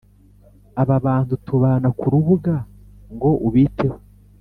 Ababantu tubana kurubuga ngo ubiteho